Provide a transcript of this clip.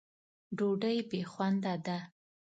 ډوډۍ بې خونده ده.